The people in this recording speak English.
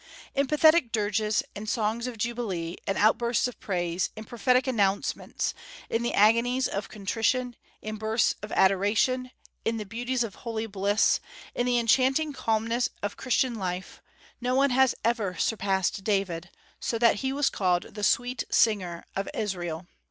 "In pathetic dirges, in songs of jubilee, in outbursts of praise, in prophetic announcements, in the agonies of contrition, in bursts of adoration, in the beatitudes of holy bliss, in the enchanting calmness of Christian life," no one has ever surpassed David, so that he was called "the sweet singer of Israel."